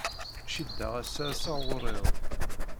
Ciddeɣ ass-a asaɣur-iw.